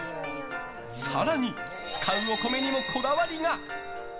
更に、使うお米にもこだわりが。